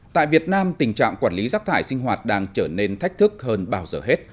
tại việt nam tình trạng quản lý rác thải sinh hoạt đang trở nên thách thức hơn bao giờ hết